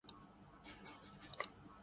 پہلے گورے آتے تھے۔